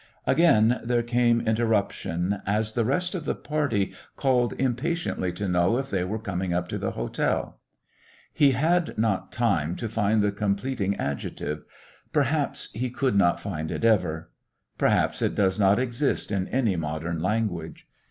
Again there came interruption, as the rest of the party called impatiently to know if they were coming up to the hotel. He had not time to find the completing adjective. Perhaps he could not find it ever. Perhaps it does not exist in any modern language.